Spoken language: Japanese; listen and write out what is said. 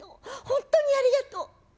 本当にありがとう。